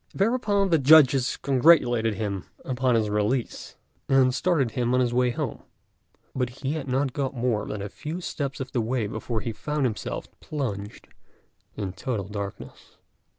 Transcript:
Thereupon the judges congratulated him upon his release, and started him on his way home; but he had not got more than a few steps of the way before he found himself plunged in total darkness.